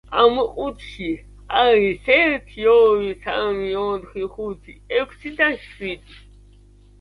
ამ ყუთში არის ერთი, ორი, სამი, ოთხი, ხუთი, ექვსი და შვიდი.